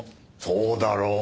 そうだろう？